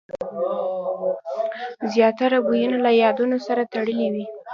زیاتره بویونه له یادونو سره تړلي وي.